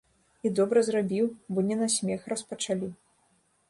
І добра зрабіў, бо не на смех распачалі.